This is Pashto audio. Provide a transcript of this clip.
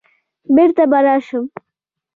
بېرته به راشم